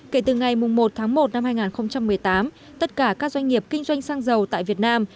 kể từ ngày một tháng một năm hai nghìn một mươi tám tất cả các doanh nghiệp kinh doanh xăng dầu tại việt nam